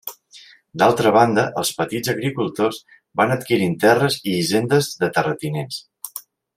D'altra banda, els petits agricultors van adquirint terres i hisendes de terratinents.